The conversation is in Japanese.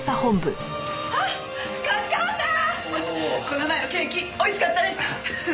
この前のケーキ美味しかったです。